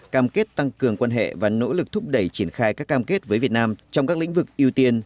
cam kết tăng cường quan hệ và nỗ lực thúc đẩy triển khai các cam kết với việt nam trong các lĩnh vực ưu tiên